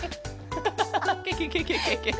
ハハハハケケケケケケケ。